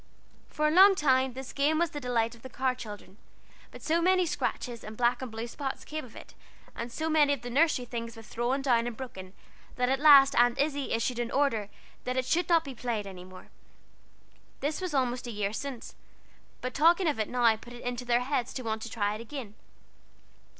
For a long time this game was the delight of the Carr children; but so many scratches and black and blue spots came of it, and so many of the nursery things were thrown down and broken, that at last Aunt Izzie issued an order that it should not be played any more. This was almost a year since; but talking of it now put it into their heads to want to try it again.